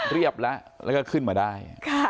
เรียบแล้วแล้วก็ขึ้นมาได้